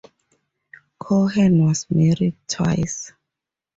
Cohen was married twice.